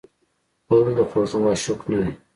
غول د خوږو عاشق نه دی.